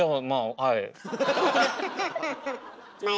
はい。